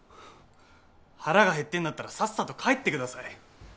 腹が減ってんだったらさっさと帰ってください。